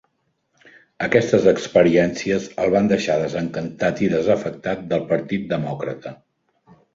Aquestes experiències el van deixar desencantat i desafectat del Partit Demòcrata.